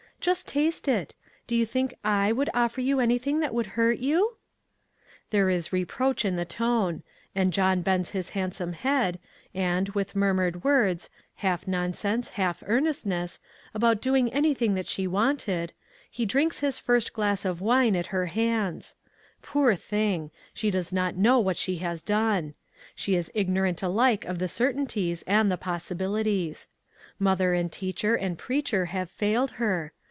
Just taste it. Do you think / would offer you anything that would hurt you ?" There is reproach in the tone ; and John bends his handsome head, and, with mur mured words, half nonsense, half earnest ness, about doing anything that she wanted, 1 82 ONE COMMONPLACE DAY. he drinks his first glass of wine at her hands ! Poor thing ! she does not know what she has done. She is ignorant^ alike of the certainties and the possibilities. Mother and teacher and preacher have failed her.